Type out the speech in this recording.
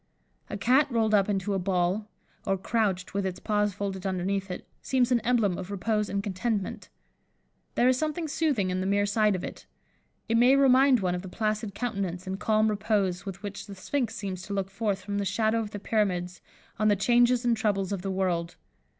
A cat rolled up into a ball, or crouched with its paws folded underneath it, seems an emblem of repose and contentment. There is something soothing in the mere sight of it. It may remind one of the placid countenance and calm repose with which the sphynx seems to look forth from the shadow of the Pyramids, on the changes and troubles of the world.